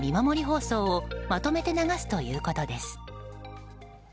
放送をまとめて流すということです。